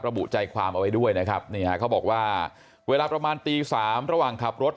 ระบุใจความเอาไว้ด้วยนะครับนี่ฮะเขาบอกว่าเวลาประมาณตี๓ระหว่างขับรถ